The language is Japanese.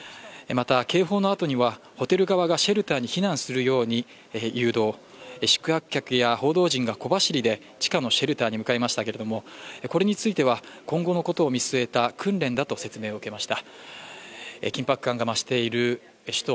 また、警報のあとにはホテル側がシェルターに避難するように誘導、宿泊客や報道陣が小走りで地下のシェルターに向かいましたがこれについては今後のことを見据えた訓練だと説明を受けました。